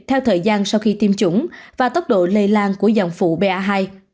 theo thời gian sau khi tiêm chủng và tốc độ lây lan của dòng phụ ba hai